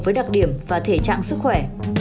với đặc điểm và thể trạng sức khỏe